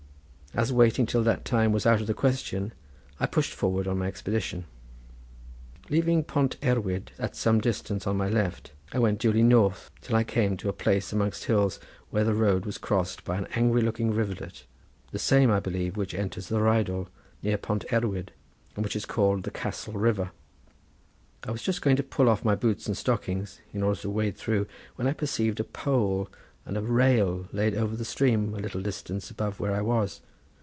As waiting till that time was out of the question, I pushed forward on my expedition. Leaving Pont Erwyd at some distance on my left, I went duly north till I came to a place amongst hills where the road was crossed by an angry looking rivulet, the same I believe which enters the Rheidol near Pont Erwyd, and which is called the Castle River. I was just going to pull off my boots and stockings in order to wade through, when I perceived a pole and a rail laid over the stream at a little distance above where I was.